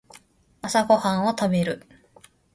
朝ごはんを食べる